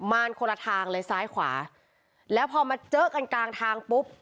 มารคนละทางเลยซ้ายขวาแล้วพอมาเจอกันกลางทางปุ๊บ